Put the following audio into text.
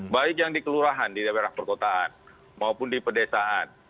baik yang di kelurahan di daerah perkotaan maupun di pedesaan